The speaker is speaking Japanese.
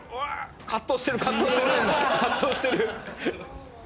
葛藤してる葛藤してる。